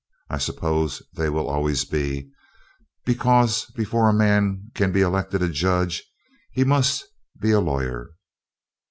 I suppose they will always be, because before a man can be elected a judge he must be a lawyer.